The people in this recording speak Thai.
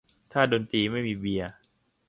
ถ้าดนตรีไม่มีเบียร์